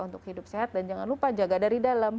untuk hidup sehat dan jangan lupa jaga dari dalam